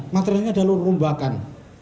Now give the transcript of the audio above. materialnya adalah lorombakan